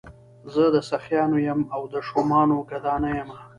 زه د سخیانو یم او د شومانو ګدا نه یمه.